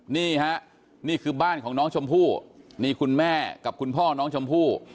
นี่ฮะนี่คือบ้านของน้องชมพู่นี่คุณแม่กับคุณพ่อน้องชมพู่